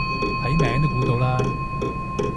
睇名都估到啦